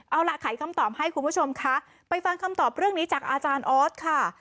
เอาล่ะไขคำตอบให้คุณผู้ชมคะไปฟังคำตอบเรื่องนี้จากอาจารย์ออสค่ะ